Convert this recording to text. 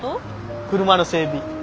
車の整備。